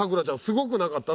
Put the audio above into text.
すごくなかった？